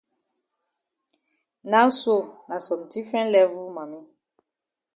Now so na some different level mami.